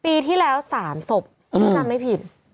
ปีที่แล้ว๓ศพไม่ผิด